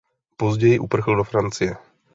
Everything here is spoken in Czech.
Později uprchl do Francie.